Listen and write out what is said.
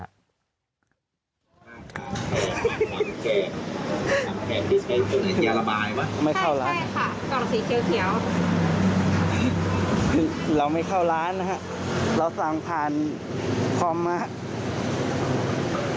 อันนี้ไม่แบบเครียดแล้วหรือไหมกินหลังร้าน